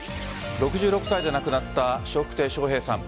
６６歳で亡くなった笑福亭笑瓶さん。